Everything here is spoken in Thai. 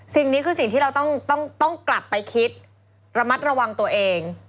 สิ่งนี้คือสิ่งที่เราต้องกลับไปคิดระมัดระวังตัวเอง